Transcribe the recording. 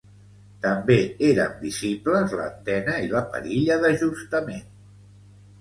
També eren visibles l'antena i la perilla d'ajustament.